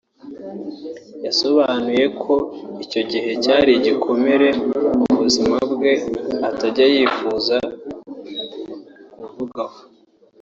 yasobanuye ko icyo gihe cyari igikomere mu buzima bwe atajya yifuza kuvugaho